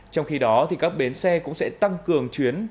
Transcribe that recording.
trong khi đó các bến xe cũng sẽ tăng cường chuyến